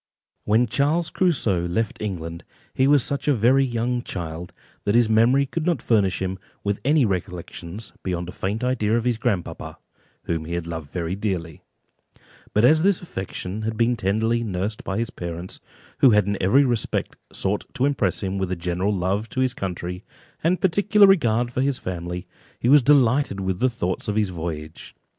When Charles Crusoe left England, he was such a very young child, that his memory could not furnish him with any recollections beyond a faint idea of his grandpapa, whom he had loved very dearly; but as this affection had been tenderly nursed by his parents, who had in every respect sought to impress him with general love to his country, and particular regard for his family, he was delighted with the thoughts of his voyage.